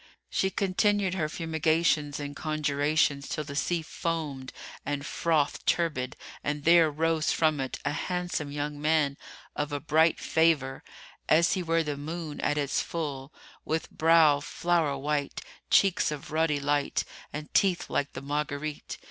She continued her fumigations and conjurations till the sea foamed and frothed turbid and there rose from it a handsome young man of a bright favour, as he were the moon at its full, with brow flower white, cheeks of ruddy light and teeth like the marguerite.